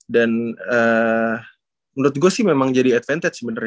dan menurut gue sih memang jadi advantage sebenernya